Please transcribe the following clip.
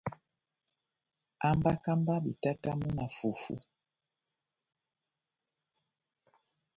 Hambaka mba betatamu na fufu.